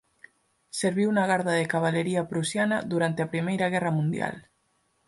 Serviu na Garda de Cabalaría prusiana durante a Primeira Guerra Mundial.